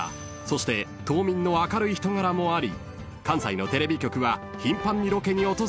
そして島民の明るい人柄もあり関西のテレビ局は］